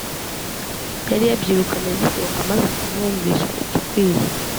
Yari yabyirukanye agisohoka Maze kumwumvisha igikwiye.